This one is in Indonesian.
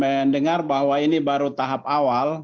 mendengar bahwa ini baru tahap awal